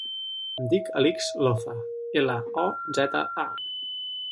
Em dic Alix Loza: ela, o, zeta, a.